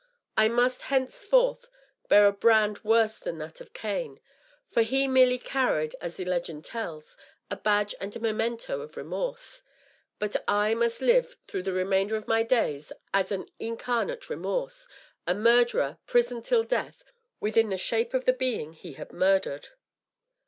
I must henceforth bear a brand worse than that of Cain ; for he merely catried, as the legend tells, a badge and memento of remorse. But I must live through the remainder of my days as an incarnate remorse — ^a murderer prisoned till death wUhin the shape of the being he had murdered!